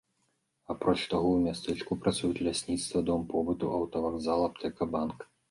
Апроч таго, у мястэчку працуюць лясніцтва, дом побыту, аўтавакзал, аптэка, банк.